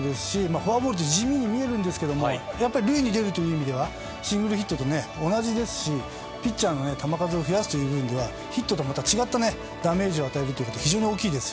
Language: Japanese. フォアボールって地味に見えますがやっぱり塁に出るという意味ではシングルヒットと同じですしピッチャーの球数を増やす意味ではヒットとまた違ったダメージを与えるので大きいです。